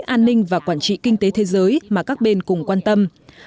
an ninh và quản trị kinh tế thế giới mà các bên cùng quan tâm